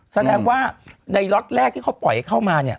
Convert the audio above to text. แสดงว่าในล็อตแรกที่เขาปล่อยเข้ามาเนี่ย